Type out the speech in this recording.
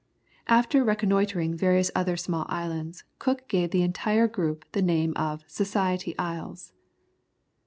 After reconnoitring various other small islands, Cook gave the entire group the name of Society Isles.